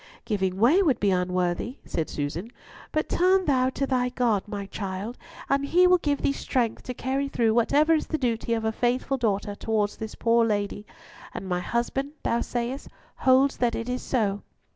"Giving way would be unworthy," said Susan, "but turn thou to thy God, my child, and He will give thee strength to carry through whatever is the duty of a faithful daughter towards this poor lady; and my husband, thou sayest, holds that so it is?"